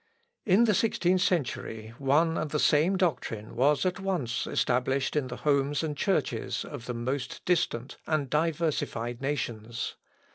In the sixteenth century one and the same doctrine was at once established in the homes and churches of the most distant and diversified nations.